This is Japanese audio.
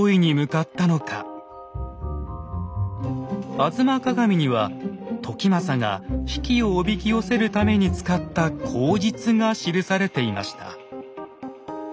「吾妻鏡」には時政が比企をおびき寄せるために使った口実が記されていました。